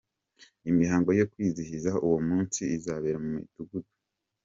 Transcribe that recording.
Imihango yo kwizihiza uwo munsi izabera mu Midugudu.